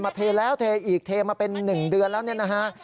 เทแล้วเทอีกเทมาเป็น๑เดือนแล้วเนี่ยนะฮะ